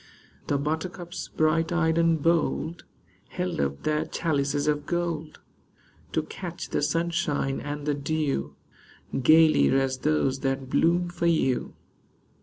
The buttercups, bright eyed and bold, Held up their chalices of gold To catch the sunshine and the dew, Gayly as those that bloom for you.